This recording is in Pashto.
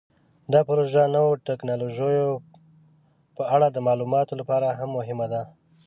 دا پروژه د نوو تکنالوژیو په اړه د معلوماتو لپاره هم مهمه ده.